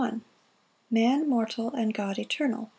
M. Man mortal, and God eternal.